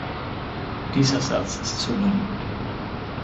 Dieser Satz ist zu lang.